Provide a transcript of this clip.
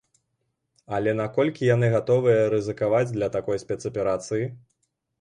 Але наколькі яны гатовыя рызыкаваць для такой спецаперацыі?